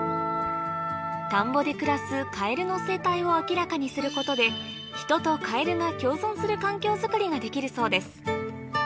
田んぼで暮らすカエルの生態を明らかにすることで人とカエルが共存する環境づくりができるそうです